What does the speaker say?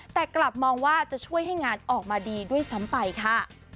แต่กลับมองว่าจะช่วยให้งานออกมาดีด้วยซ้ำไปค่ะ